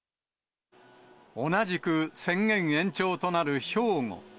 同じく宣言延長となる兵庫。